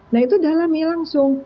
nah itu didalami langsung